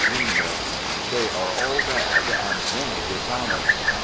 Greenhill), ' They are all bad, and many dishonest.'